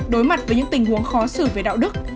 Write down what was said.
đối mặt với những tình huống khó xử về đạo đức